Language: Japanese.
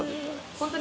本当に？